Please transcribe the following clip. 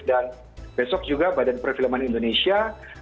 dan besok juga badan prefilman indonesia